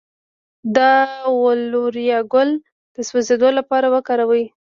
د الوویرا ګل د سوځیدو لپاره وکاروئ